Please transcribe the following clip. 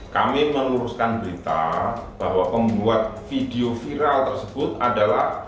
kami meluruskan berita bahwa pembuat video viral tersebut adalah